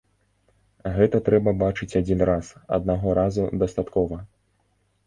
Гэта трэба бачыць адзін раз, аднаго разу дастаткова.